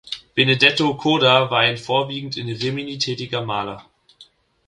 Benedetto Coda war ein vorwiegend in Rimini tätiger Maler.